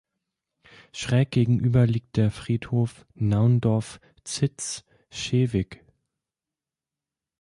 Schräg gegenüber liegt der Friedhof Naundorf-Zitzschewig.